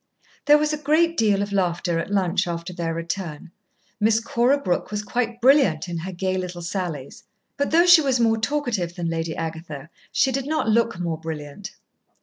There was a great deal of laughter at lunch after their return. Miss Cora Brooke was quite brilliant in her gay little sallies. But though she was more talkative than Lady Agatha, she did not look more brilliant.